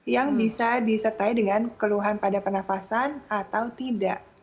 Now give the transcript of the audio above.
yang bisa disertai dengan keluhan pada pernafasan atau tidak